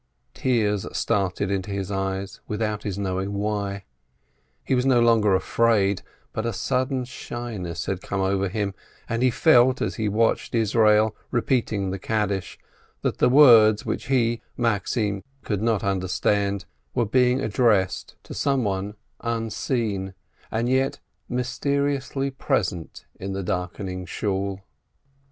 Tears started into his eyes without his knowing why. He was no longer afraid, but a sudden shyness had come over him, and he felt, as he watched Yisroel re peating the Kaddish, that the words, which he, Maxim, could not understand, were being addressed to someone 258 STEINBERG unseen, and yet mysteriously present in the darkening Shool.